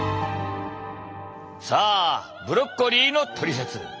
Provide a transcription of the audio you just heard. さあブロッコリーのトリセツ。